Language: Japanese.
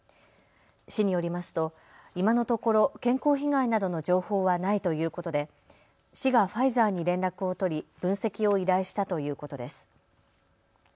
市によりますと今のところ健康被害などの情報はないということで市がファイザーに連絡を取り、分析を依頼したということです。